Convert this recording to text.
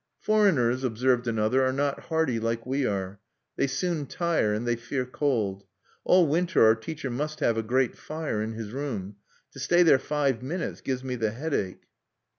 "Foreigners," observed another, "are not hardy like we are. They soon tire, and they fear cold. All winter our teacher must have a great fire in his room. To stay there five minutes gives me the headache."